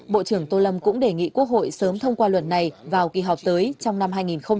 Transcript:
bộ trưởng tô lâm cũng đề nghị quốc hội sớm thông qua luật này vào kỳ họp tới trong năm hai nghìn hai mươi ba